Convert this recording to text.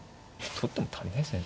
取っても足りないですね。